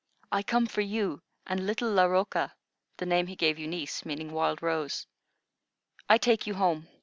"I come for you and little Laroka" (the name he gave Eunice, meaning "Wild Rose"). "I take you home.